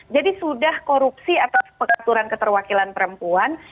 jadi sudah korupsi atas pekaturan keterwakilan perempuan